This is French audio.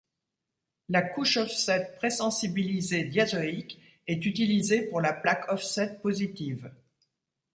La couche offset présensibilisée diazoïque est utilisée pour la plaque offset positive.